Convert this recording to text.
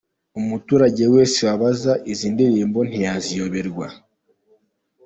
Umuturage wese wabaza izi ndirimbo ntiyaziyoberwa”.